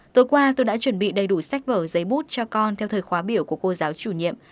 tối qua tôi đã chuẩn bị đầy đủ sách vở giấy bút cho con theo thời khóa biểu của cô giáo chủ nhiệm